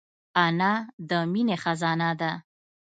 انا د مینې خزانه ده